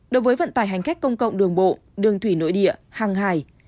đối với vận tải hành khách công cộng đường bộ đường thủy nội địa hàng hải